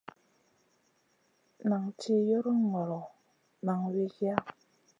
Nan tih yoron ŋolo, nan wikiya.